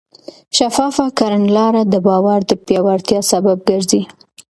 شفافه کړنلاره د باور د پیاوړتیا سبب ګرځي.